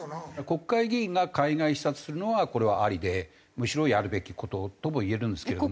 国会議員が海外視察するのはこれはありでむしろやるべき事とも言えるんですけれども。